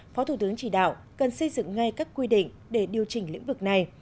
phó thủ tướng chỉ đạo cần xây dựng ngay các quy định để điều chỉnh lĩnh vực này